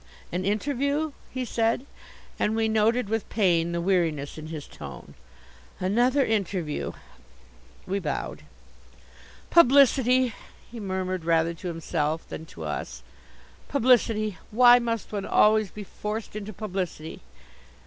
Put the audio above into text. "An interview?" he said, and we noted with pain the weariness in his tone. "Another interview!" We bowed. "Publicity!" he murmured rather to himself than to us. "Publicity! Why must one always be forced into publicity?"